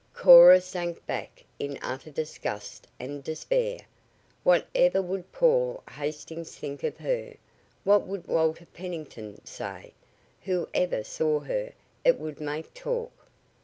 Cora sank back in utter disgust and despair. What ever would Paul Hastings think of her? What would Walter Pennington say? Whoever saw her, it would make talk.